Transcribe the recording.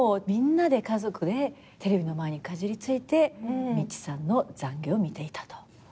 みんなで家族でテレビの前にかじりついて美智さんの懺悔を見ていたと。